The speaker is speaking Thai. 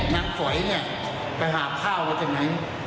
นักสวยไปหาข้าวก็จะหน่อย